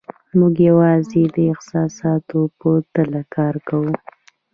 موږ یوازې د احساساتو په تله کار کوو.